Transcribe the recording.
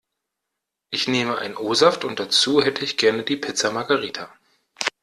Ich nehme ein O-Saft und dazu hätte ich gerne die Pizza Margarita.